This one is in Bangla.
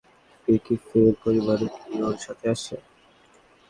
কিফের পরিবারও কি ওর সাথে আছে?